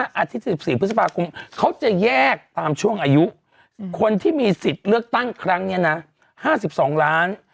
อาทิตย์๑๔พฤษภาคมเขาจะแยกตามช่วงอายุคนที่มีสิทธิ์เลือกตั้งครั้งนี้นะ๕๒ล้าน